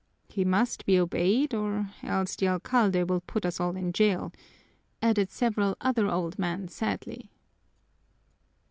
"He must be obeyed or else the alcalde will put us all in jail," added several other old men sadly.